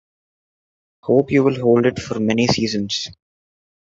Hope you will hold it for many seasons.